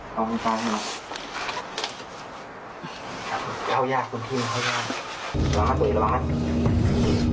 ผมเข้าจากข้างตาล